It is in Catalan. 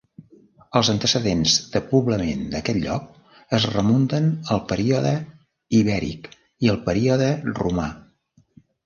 Els antecedents de poblament d’aquest lloc es remunten al període ibèric i al període romà.